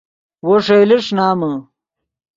وو ݰئیلے ݰینامے